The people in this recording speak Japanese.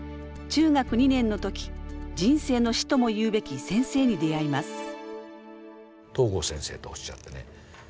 中学２年の時人生の師ともいうべき先生に出会います。